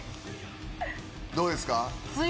どうですか？